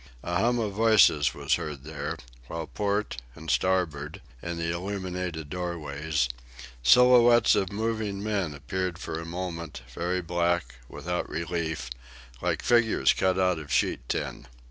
A hum of voices was heard there, while port and starboard, in the illuminated doorways, silhouettes of moving men appeared for a moment, very black, without relief, like figures cut out of sheet tin.